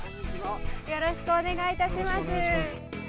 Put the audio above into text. よろしくお願いします。